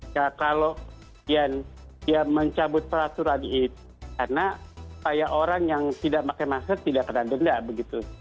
kalau dia mencabut peraturan itu karena banyak orang yang tidak pakai masker tidak kena denda begitu